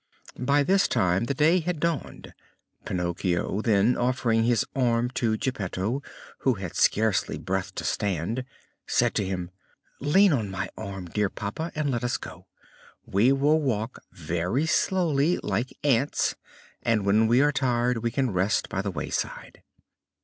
By this time the day had dawned. Pinocchio, then offering his arm to Geppetto, who had scarcely breath to stand, said to him: "Lean on my arm, dear papa, and let us go. We will walk very slowly, like the ants, and when we are tired we can rest by the wayside."